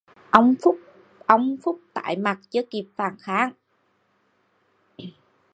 ông phúc tái mặt chưa kịp phản kháng